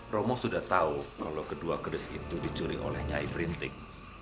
romo sudah tahu kalau kedua keris itu dicuri oleh nyai printik